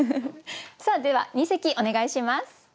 では二席お願いします。